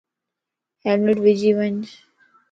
ھيلمٽ وجي وڃ